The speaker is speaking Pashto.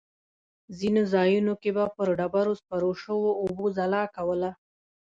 ځینې ځایونو کې به پر ډبرو خپرو شوو اوبو ځلا کوله.